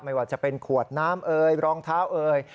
ไม่ว่าจะเป็นขวดน้ำเอ่ยรองเท้าเอ่ย